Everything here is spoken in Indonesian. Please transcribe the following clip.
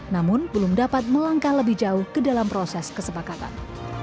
namun belum dapat melangkah lebih jauh ke dalam proses kesepakatan